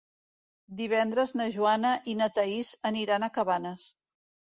Divendres na Joana i na Thaís aniran a Cabanes.